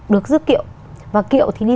được rước kiệu và kiệu thì đi